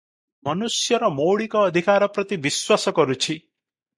ମନୁଷ୍ୟର ମୌଳିକ ଅଧିକାର ପ୍ରତି ବିଶ୍ୱାସ କରୁଛି ।